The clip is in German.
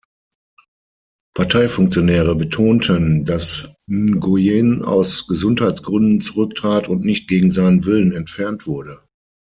Parteifunktionäre betonten, dass Nguyễn aus Gesundheitsgründen zurücktrat und nicht gegen seinen Willen entfernt wurde.